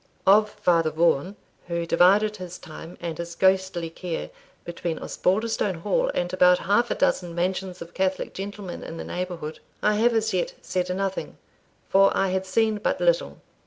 Of Father Vaughan, who divided his time and his ghostly care between Osbaldistone Hall and about half a dozen mansions of Catholic gentlemen in the neighbourhood, I have as yet said nothing, for I had seen but little.